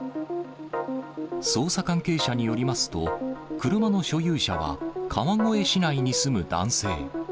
捜査関係者によりますと、車の所有者は、川越市内に住む男性。